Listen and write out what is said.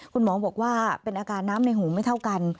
คุณหมอบอกว่าเป็นอาการน้ำในหูไม่เท่ากัน